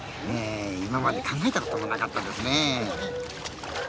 今まで考えたこともなかったですね。